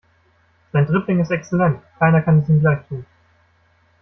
Sein Dribbling ist exzellent, keiner kann es ihm gleich tun.